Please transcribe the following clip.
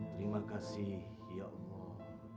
terima kasih ya allah